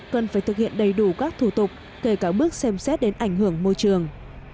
cần phải thực hiện đầy đủ các thủ tục kể cả bước xem xét đến ảnh hưởng môi trường